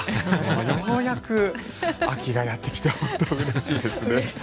ようやく秋がやってきて本当にうれしいです。